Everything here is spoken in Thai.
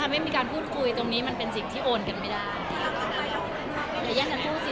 ไม่มีการพูดคุยตรงนี้มันเป็นสิ่งที่โอนกันไม่ได้